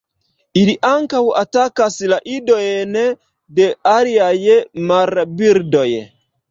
Ili ankaŭ atakas la idojn de aliaj marbirdoj.